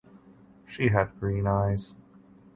She had green eyes.